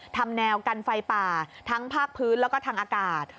ทำแนวกันไฟป่าทั้งภาคพื้นแล้วก็ทางอากาศ